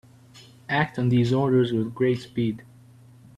Act on these orders with great speed.